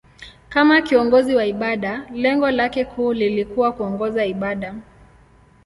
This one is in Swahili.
Kama kiongozi wa ibada, lengo lake kuu lilikuwa kuongoza ibada.